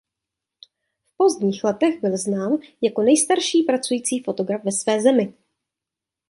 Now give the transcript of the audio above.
V pozdních letech byl znám jako "„nejstarší pracující fotograf ve své zemi“".